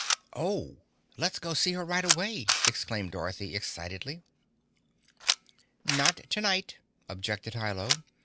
"Oh, let's go see her right away!" exclaimed Dorothy excitedly. "Not tonight," objected Hi Lo.